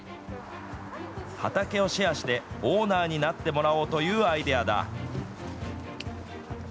畑をシェアして、オーナーになってもらおうというアイデアだ。